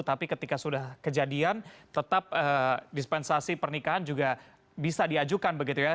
tapi ketika sudah kejadian tetap dispensasi pernikahan juga bisa diajukan begitu ya